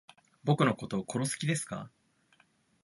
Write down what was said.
僕のこと殺す気ですか